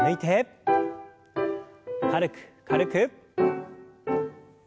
軽く軽く。